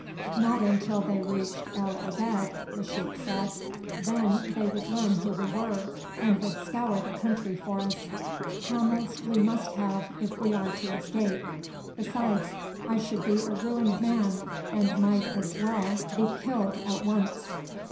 "Not until they reached El Obeid," the sheik said. "Then they would learn who we were, and would scour the country for us. Camels we must have if we are to escape. Besides, I should be a ruined man, and might as well be killed at once."